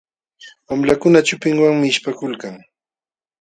Wamlakuna chupinwanmi ishpakulkan.